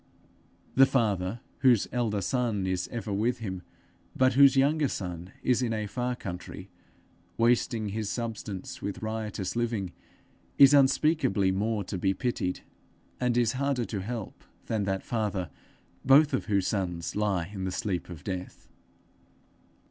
The father, whose elder son is ever with him, but whose younger is in a far country, wasting his substance with riotous living, is unspeakably more to be pitied, and is harder to help, than that father both of whose sons lie in the sleep of death.